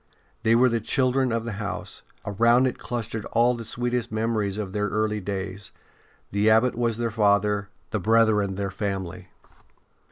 They were the children of the house; around it clustered all the sweetest memories of their early days; the Abbot was their father, the brethren their family.